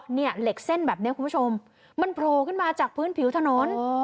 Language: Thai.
เหล็กเส้นแบบนี้คุณผู้ชมมันโผล่ขึ้นมาจากพื้นผิวถนน